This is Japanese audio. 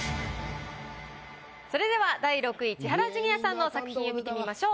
それでは第６位千原ジュニアさんの作品を見てみましょう。